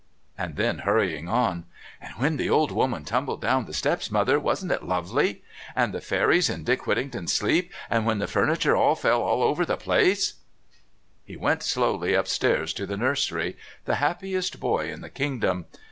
And then, hurrying on: "And when the old woman tumbled down the steps, Mother, wasn't it lovely? And the fairies in Dick Whittington's sleep, and when the furniture all fell all over the place " He went slowly upstairs to the nursery, the happiest boy in the kingdom.